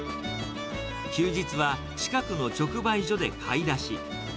休日は近くの直売所で買い出し。